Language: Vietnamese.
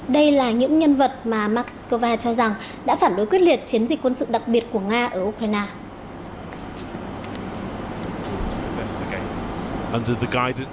đây là những nhân vật mà moscow cho rằng đã phản đối quyết liệt chiến dịch quân sự đặc biệt của nga ở ukraine